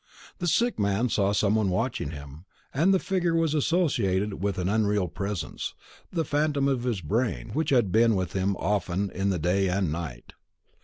The sick man saw some one watching him, and the figure was associated with an unreal presence, the phantom of his brain, which had been with him often in the day and night.